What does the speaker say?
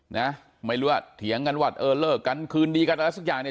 นะไม่เลือดเถียงกันวัดเออเลิกกันคืนดีกันแล้วสักอย่างเนี้ย